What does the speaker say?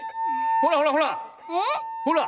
ほらほらほら！